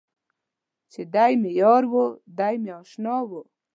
چې دی مې یار و دی مې اشنا و.